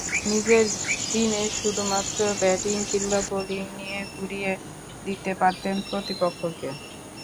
নিজের দিনে শুধুমাত্র ব্যাটিং কিংবা বোলিং দিয়ে গুঁড়িয়ে দিতে পারতেন প্রতিপক্ষকে।